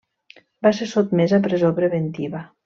Va ser sotmès a presó preventiva.